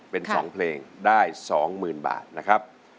เป็นสองเพลงได้สองหมื่นบาทนะครับ